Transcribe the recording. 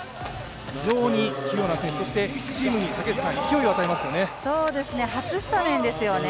非常に器用な選手、そしてチームに勢いを与えますよね。